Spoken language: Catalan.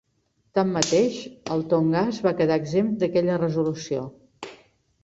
Tanmateix, el Tongass va quedar exempt d'aquella resolució.